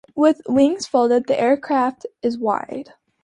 With wings folded the aircraft is wide.